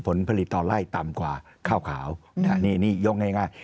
ผลผลิตต่อไล่ต่ำกว่าข้าวขาวนี่ยกง่าย